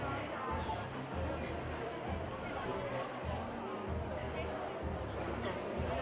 ซากถ้าสมมติว่า